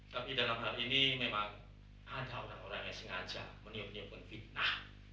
tapi dalam hal ini memang ada orang orang yang sengaja meniup meniupkan fitnah